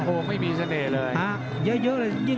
บอกว่าไม่มีเสน่ห์เลย